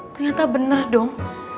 ternyata bener dong